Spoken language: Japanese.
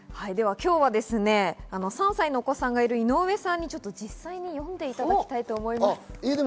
今日は３歳のお子さんがいる井上さんに実際に読んでいただきたいと思います。